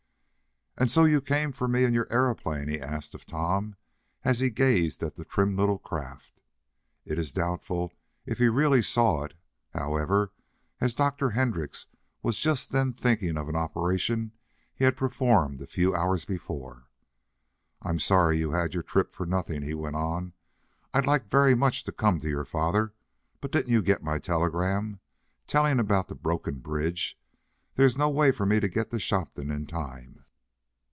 "And so you came for me in your aeroplane?" he asked of Tom, as he gazed at the trim little craft. It is doubtful if he really saw it, however, as Dr. Hendrix was just then thinking of an operation he had performed a few hours before. "I'm sorry you had your trip for nothing," he went on. "I'd like very much to come to your father, but didn't you get my telegram, telling about the broken bridge? There is no way for me to get to Shopton in time."